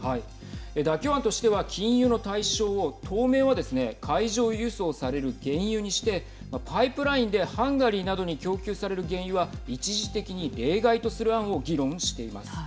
妥協案としては、禁輸の対象を当面はですね海上輸送される原油にしてパイプラインでハンガリーなどに供給される原油は一時的に例外とする案を議論しています。